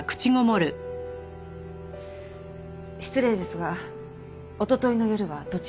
失礼ですがおとといの夜はどちらに？